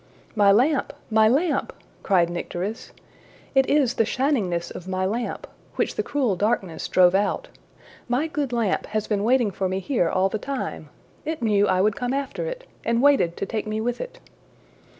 ``My lamp! my lamp!'' cried Nycteris. ``It is the shiningness of my lamp, which the cruel darkness drove out. My good lamp has been waiting for me here all the time! It knew I would come after it, and waited to take me with it.''